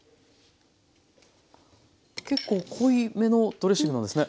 結構濃いめのドレッシングなんですね。